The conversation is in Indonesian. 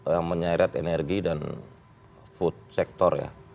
yang menyeret energi dan food sector ya